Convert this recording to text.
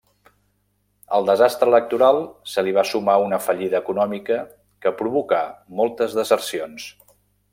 Al desastre electoral se li va sumar una fallida econòmica que provocà moltes desercions.